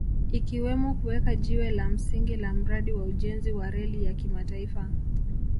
ikiwemo kuweka jiwe la msingi la mradi wa ujenzi wa reli ya kimataifa